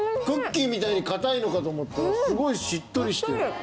クッキーみたいに硬いのかと思ったらすごいしっとりしてる。